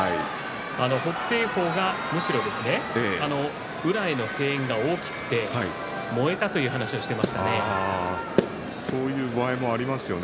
北青鵬が、むしろ宇良への声援が大きくて燃えたそういう場合もありますよね、